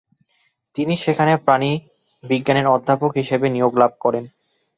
তিনি সেখানে প্রাণিবিজ্ঞানের অধ্যাপক হিসেবে নিয়োগ লাভ করেন।